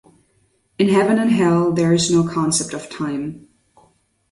In Heaven and Hell there is no concept of time.